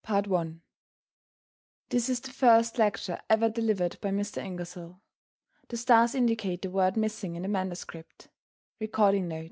* This is the first lecture ever delivered by Mr. Ingersoll. The stars indicate the words missing in the manuscript.